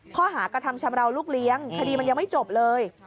ข้อหากระทำชำราวลูกเลี้ยงคดีมันยังไม่จบเลย